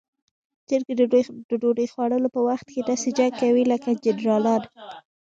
چرګې د ډوډۍ خوړلو په وخت کې داسې جنګ کوي لکه جنرالان.